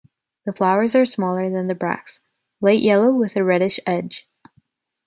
The flowers are smaller than the bracts, light yellow with a reddish edge.